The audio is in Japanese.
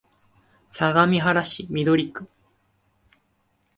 相模原市緑区